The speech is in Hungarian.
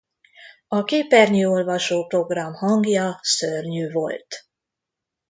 A képernyőolvasó program hangja szörnyű volt.